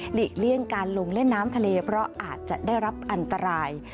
เลี่ยงการลงเล่นน้ำทะเลเพราะอาจจะได้รับอันตราย